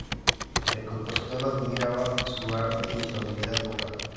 El compositor admiraba su arte y su habilidad vocal.